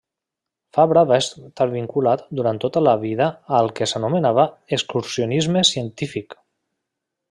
Fabra va estar vinculat durant tota la vida al que s'anomenava excursionisme científic.